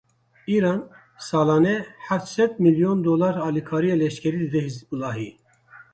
Îran salane heft sed milyon dolar alîkariya leşkerî dide Hizbûlahê.